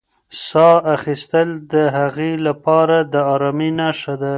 ساه اخیستل د هغې لپاره د ارامۍ نښه وه.